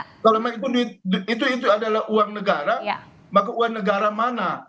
kalau itu adalah uang negara maka uang negara mana